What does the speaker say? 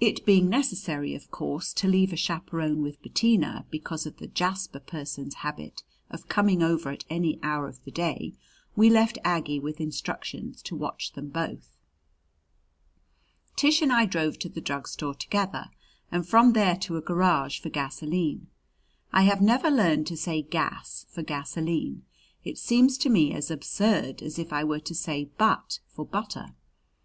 It being necessary, of course, to leave a chaperon with Bettina, because of the Jasper person's habit of coming over at any hour of the day, we left Aggie with instructions to watch them both. Tish and I drove to the drug store together, and from there to a garage for gasoline. I have never learned to say "gas" for gasoline. It seems to me as absurd as if I were to say "but" for butter.